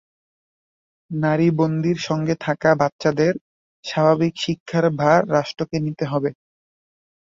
নারী বন্দীর সঙ্গে থাকা বাচ্চাদের স্বাভাবিক শিক্ষার ভার রাষ্ট্রকে নিতে হবে।